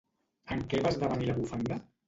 En què va esdevenir la bufanda?